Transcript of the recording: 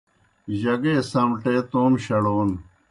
جگے سمٹے تومہ شڑون